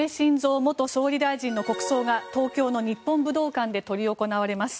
続きましては安倍晋三元総理大臣の国葬が東京の日本武道館で執り行われます。